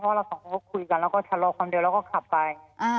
เพราะเราสองคนก็คุยกันแล้วก็ชะลอความเดียวแล้วก็ขับไป